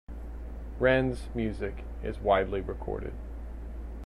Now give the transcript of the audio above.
Rands's music is widely recorded.